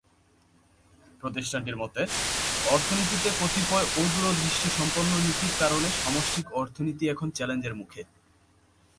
প্রতিষ্ঠানটির মতে, অর্থনীতিতে কতিপয় অদূরদৃষ্টি সম্পন্ন নীতির কারণে সামষ্টিক অর্থনীতি এখন চ্যালেঞ্জের মুখে।